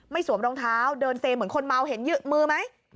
สวมรองเท้าเดินเซเหมือนคนเมาเห็นยืดมือไหม